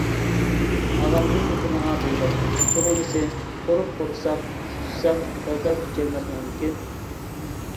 ئاغامنىڭ گېپى ماڭا بۇيرۇق. شۇغىنىسى، قۇرۇق قورساق تۇتۇشسام تازا كۈچىيەلمەسمەنمىكىن.